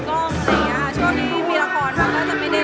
ประโยคเสียง